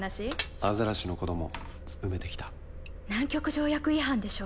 アザラシの子ども、埋めてき南極条約違反でしょ？